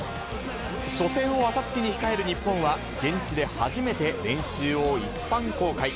初戦をあさってに控える日本は、現地で初めて練習を一般公開。